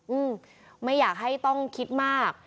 อืมไม่อยากให้ต้องคิดมาก